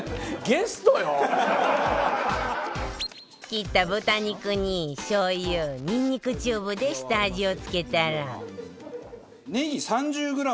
切った豚肉にしょう油にんにくチューブで下味をつけたら